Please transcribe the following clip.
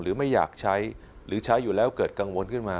ไม่อยากใช้หรือใช้อยู่แล้วเกิดกังวลขึ้นมา